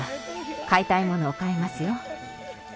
買いたい物を買いますよ。